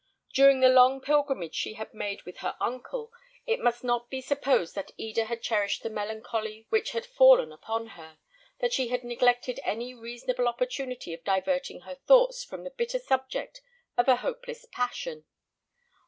During the long pilgrimage she had made with her uncle, it must not be supposed that Eda had cherished the melancholy which had fallen upon her, that she had neglected any reasonable opportunity of diverting her thoughts from the bitter subject of a hopeless passion.